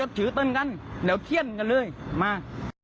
เดี๋ยวเที่ยนกันเลยมา